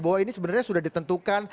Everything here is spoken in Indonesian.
bahwa ini sebenarnya sudah ditentukan